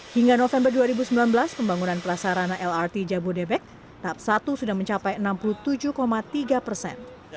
hingga november dua ribu sembilan belas pembangunan prasarana lrt jabodebek tahap satu sudah mencapai enam puluh tujuh tiga persen